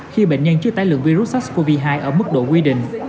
khi bệnh nhân chưa tái lượng virus sars cov hai ở mức độ quy định